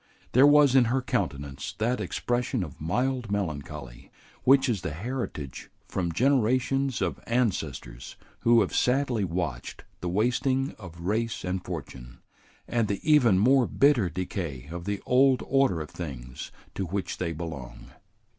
There was in her countenance that expression of mild melancholy which is the heritage from generations of ancestors who have sadly watched the wasting of race and fortune, and the even more bitter decay of the old order of things to which they belong.